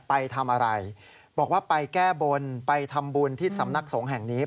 ไปทำอะไรบอกว่าไปแก้บนไปทำบุญที่สำนักสงฆ์แห่งนี้